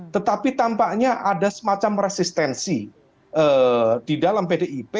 tetapi tampaknya ada semacam resistensi di dalam pdip